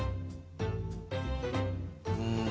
うん。